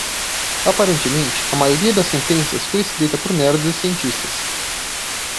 Aparentemente, a maioria das sentenças foi escrita por nerds e cientistas.